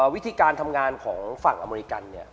วิธีการทำงานของฝั่งอเมริกันเนี่ย